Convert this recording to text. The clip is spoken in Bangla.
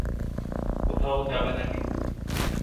কোথাও যাবে না কিন্তু।